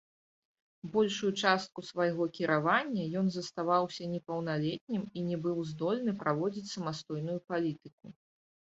Большую частку свайго кіравання ён заставаўся непаўналетнім і не быў здольны праводзіць самастойную палітыку.